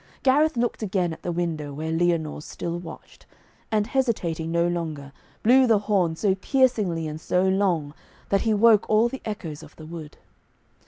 Gareth looked again at the window where Lyonors still watched, and hesitating no longer, blew the horn so piercingly and so long, that he woke all the echoes of the wood.